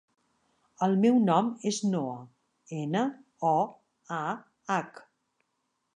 El meu nom és Noah: ena, o, a, hac.